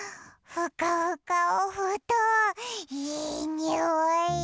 ふかふかおふとんいいにおい！